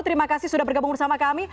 terima kasih sudah bergabung bersama kami